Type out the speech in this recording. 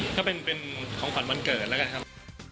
ก็เป็นของขวัญวันเกิดแล้วกันครับ